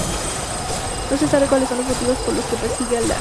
No se sabe cuáles son los motivos por los que persigue a "Ai".